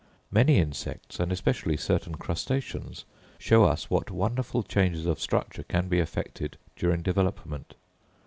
Many insects, and especially certain crustaceans, show us what wonderful changes of structure can be effected during development.